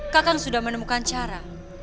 kakang sudah menemukan cara